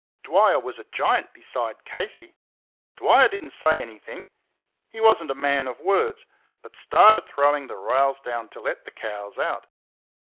Dwyer was a giant beside Casey. Dwyer did n't say anything he was n't a man of words but started throwing the rails down to let the cows out.